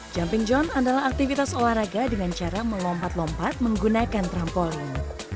jumping john adalah aktivitas olahraga dengan cara melompat lompat menggunakan trampolin